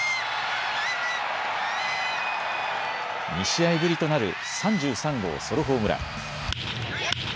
２試合ぶりとなる３３号ソロホームラン。